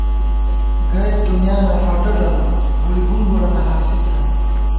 گَئیت دُنیانہ فٹہ ݫَلوت ووئی ہُمبُرَنہ حاصل تھنہ